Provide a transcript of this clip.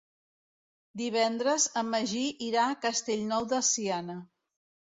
Divendres en Magí irà a Castellnou de Seana.